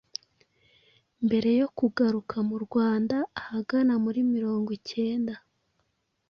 mbere yo kugaruka mu Rwanda ahagana muri mirongwicyenda.